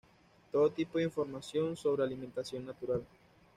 Todo tipo de información sobre alimentación natural.